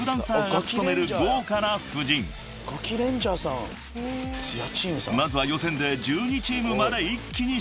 ［まずは予選で１２チームまで一気に絞られます］